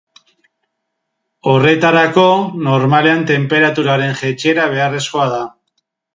Horretarako, normalean tenperaturaren jaitsiera beharrezkoa da.